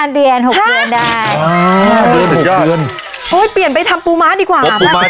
๕เดือน๖เกือนเปลี่ยนไปทำปูม้าดีกว่า